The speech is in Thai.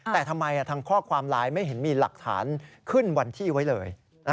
แต่ทำไมทางข้อความไลน์ไม่เห็นมีหลักฐานขึ้นวันที่ไว้เลย